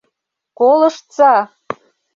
— Колыштса!